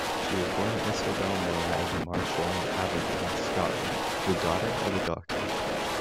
She was born Isobel Morag Marshall in Aberdeen, Scotland, the daughter of a doctor.